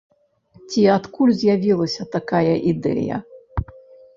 Ці адкуль з'явілася такая ідэя?